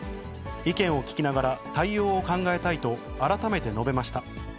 意見を聞きながら対応を考えたいと、改めて述べました。